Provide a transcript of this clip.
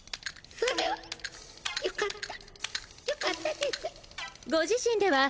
それは良かった！